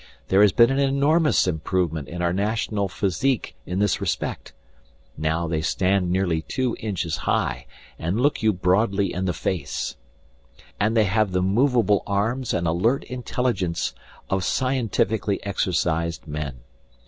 There has been an enormous improvement in our national physique in this respect. Now they stand nearly two inches high and look you broadly in the face, and they have the movable arms and alert intelligence of scientifically exercised men.